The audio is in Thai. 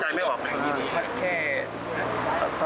มัดแค่ตอนหลังมัดที่ปากกันร้อง